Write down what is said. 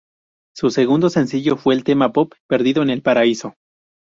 Su segundo sencillo fue el tema pop "Perdido en el paraíso".